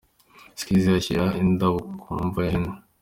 Skizzy ashyira indabo ku mva ya Henry.